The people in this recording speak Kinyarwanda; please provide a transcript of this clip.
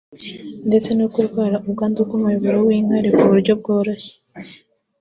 ndetse no kurwara ubwandu bw’umuyoboro w’inkari ku buryo bworoshye